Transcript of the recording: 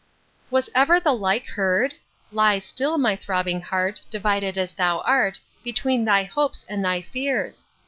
Was ever the like heard?—Lie still, my throbbing heart, divided as thou art, between thy hopes and thy fears!